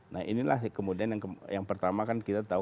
nah inilah kemudian yang pertama kan kita tahu